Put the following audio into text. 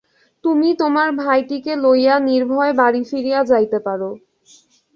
তুমি তোমার ভাইটিকে লইয়া নির্ভয়ে বাড়ি ফিরিয়া যাইতে পারো।